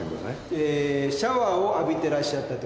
えーシャワーを浴びてらっしゃったとかで。